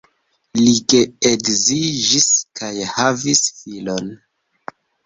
Li geedziĝis kaj havis filon.